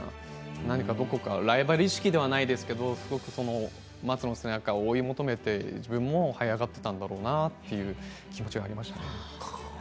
何かどこかライバル意識ではないですが松の背中を追い求めて自分もはい上がってきたんだろうなっていう気持ちがありました。